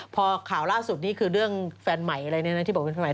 พอข่าวล่าสุดนี่คือเรื่องแฟนใหม่อะไรเนี่ยนะที่บอกว่าเป็นสมัย